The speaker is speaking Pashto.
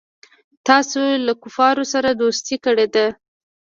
تاسو له کفارو سره دوستي کړې ده.